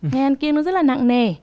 nghe ăn kiêng nó rất là nặng nề